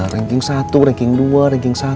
ranking satu ranking dua ranking satu